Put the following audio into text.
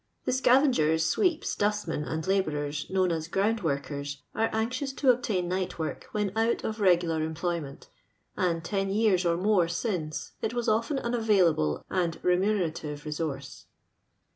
The scavengers, sweeps, dustmen, and iabouxcis known as ground workers, ore anxious to obtain night work when out of regular em ployment ; and, ten years and more since, it was ofU^n an available and remuneradvc re source.